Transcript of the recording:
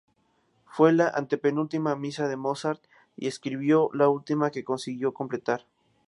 Fue la antepenúltima misa que Mozart escribió y la última que consiguió completar.